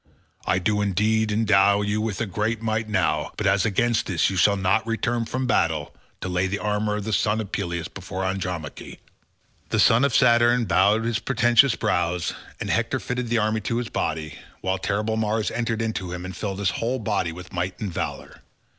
I do indeed endow you with great might now, but as against this you shall not return from battle to lay the armour of the son of Peleus before Andromache." The son of Saturn bowed his portentous brows, and Hector fitted the armour to his body, while terrible Mars entered into him, and filled his whole body with might and valour.